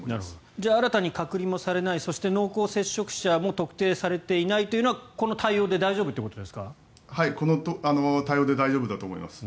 じゃあ新たに隔離されないそして濃厚接触者も特定されていないというのはこの対応で大丈夫ということですか？